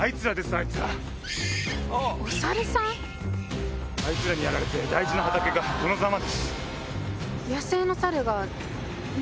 あいつらにやられて大事な畑がこのザマです。